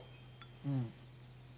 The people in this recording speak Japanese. うん。